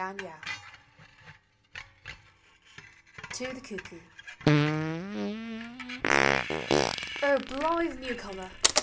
JOHN LOGAN. TO THE CUCKOO. O blithe new comer